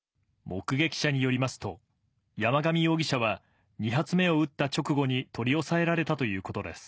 目撃者によりますと、山上容疑者は、２発目を撃った直後に取り押さえられたということです。